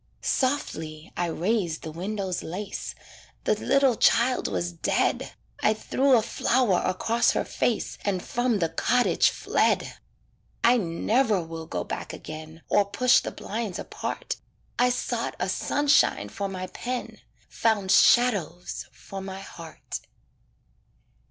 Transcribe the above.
Softly I raised the window's lace The little child was dead I threw a flower across her face, And from the cottage fled. I never will go back again Or push the blinds apart I sought a sunshine for my pen, Found shadows for my heart.